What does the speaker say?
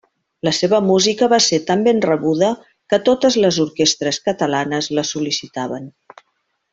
La seva música va ser tan ben rebuda que totes les orquestres catalanes la sol·licitaven.